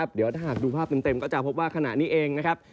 เดี๋ยวถ้าหากดูภาพเต็มก็จะพบว่าขณะนี้เองนะครับ